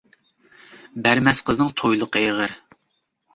بەرمەس قىزنىڭ تويلۇقى ئېغىر.